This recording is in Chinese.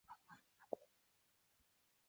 动态反吸血驴保护中的功能组件。